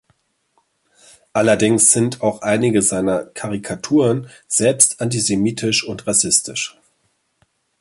Allerdings sind auch einige seiner Karikaturen selbst antisemitisch und rassistisch.